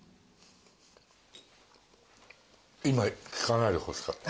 今聞かないでほしかった。